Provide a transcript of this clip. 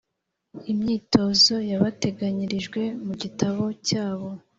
imyitozo yabateganyirijwe mu gitabo cyabo